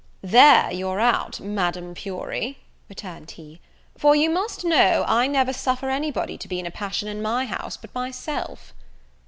"There you're out, Madame Fury," returned he; "for you must know, I never suffer anybody to be in a passion in my house, but myself."